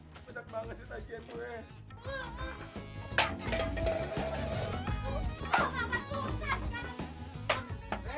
betet banget si tagian gue